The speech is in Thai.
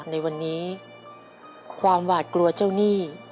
ในวันนี้ความหวาดกลัวเจ้าหนี้